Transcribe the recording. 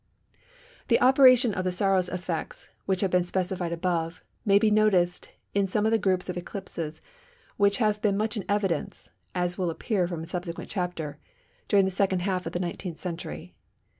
The operation of the Saros effects which have been specified above, may be noticed in some of the groups of eclipses which have been much in evidence (as will appear from a subsequent chapter), during the second half of the 19th century.